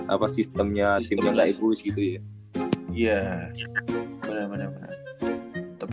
apa sistemnya timnya gitu